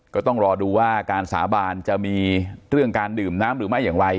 ก็ต้องรอดูว่าการสาบานจะมีเรื่องการดื่มน้ำหรือไม่อย่างไร